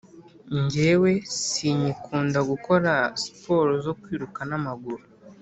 Njyewe sinyikunda gukora siporo zo kwiruka n’amaguru